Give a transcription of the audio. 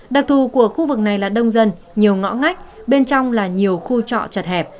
đặc thù của khu vực này là đông dân nhiều ngõ ngách bên trong là nhiều khu trọ chật hẹp